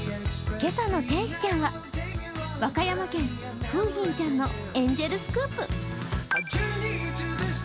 今朝の天使ちゃんは、和歌山県、楓浜ちゃんのエンジェルスクープ。